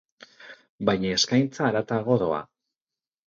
Baina eskaintza haratago doa.